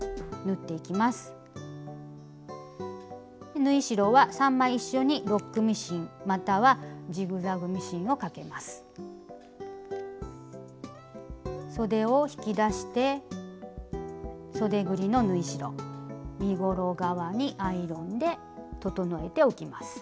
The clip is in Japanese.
縫い代はそでを引き出してそでぐりの縫い代身ごろ側にアイロンで整えておきます。